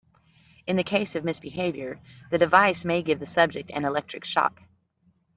In the case of misbehaviour, the device may give the subject an electric shock.